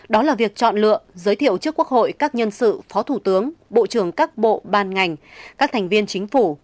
đó là việc chọn lựa giới thiệu trước quốc hội các nhân sự phó thủ tướng bộ trưởng các bộ ban ngành các thành viên chính phủ